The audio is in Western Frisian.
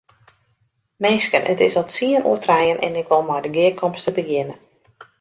Minsken, it is al tsien oer trijen en ik wol mei de gearkomste begjinne.